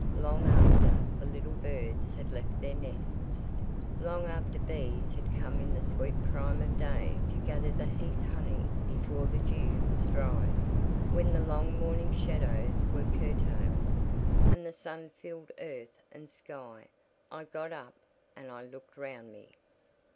Long after the little birds had left their nests; long after bees had come in the sweet prime of day to gather the heath honey before the dew was dried—when the long morning shadows were curtailed, and the sun filled earth and sky—I got up, and I looked round me.